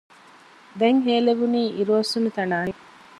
ދެން ހޭލެވުނީ އިރުއޮއްސުނުތަނާ ހެން